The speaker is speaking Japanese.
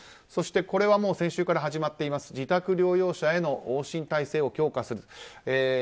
そして先週から始まっていますが自宅療養者への往診体制を強化する。